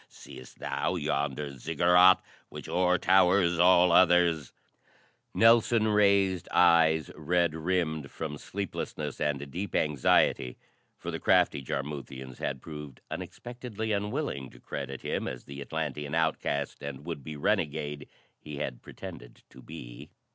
Seest thou yonder Ziggurat which o'er towers all others?" Nelson raised eyes red rimmed from sleeplessness and deep anxiety for the crafty Jarmuthians had proved unexpectedly unwilling to credit him as the Atlantean outcast and would be renegade he had pretended to be.